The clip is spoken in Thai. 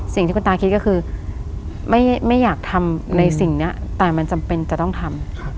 สิ่งที่คุณตาคิดก็คือไม่อยากทำในสิ่งนี้แต่มันจำเป็นจะต้องทำ